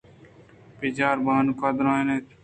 بچار بانک ءَدرّائینت